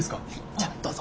じゃあどうぞ。